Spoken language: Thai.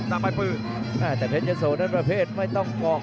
อ่ะแต่เพชรยะสอว์นั้นประเภทไม่ต้องกัก